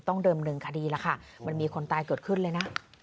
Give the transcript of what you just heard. เดิมเนินคดีแล้วค่ะมันมีคนตายเกิดขึ้นเลยนะ